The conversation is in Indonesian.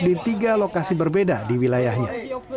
di tiga lokasi berbeda di wilayahnya